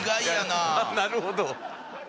なるほど。